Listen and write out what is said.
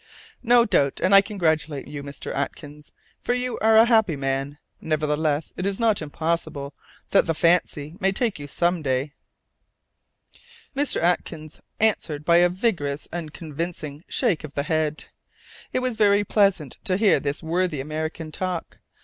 "No doubt, and I congratulate you, Mr. Atkins, for you are a happy man. Nevertheless it is not impossible that the fancy may take you some day " Mr. Atkins answered by a vigorous and convincing shake of the head. It was very pleasant to hear this worthy American talk.